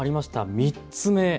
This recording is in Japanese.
３つ目。